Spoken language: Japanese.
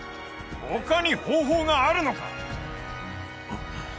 他に方法があるのか？